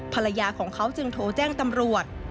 ภรรยาของเขาจึงโทรแจ้งตำรวจ